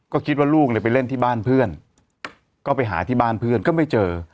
ก็คิดว่าลูกเนี่ยไปเล่นที่บ้านเพื่อนก็ไปหาที่บ้านเพื่อนก็ไม่เจอ